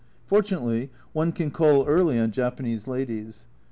Fortunately, one can call early on Japanese ladies.